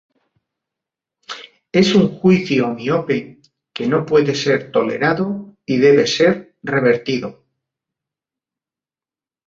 Es un juicio miope que no puede ser tolerado y debe ser revertido.